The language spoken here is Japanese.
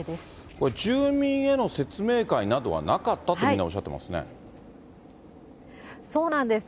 これ住民への説明会などはなかったとみんなおっしゃってますそうなんです。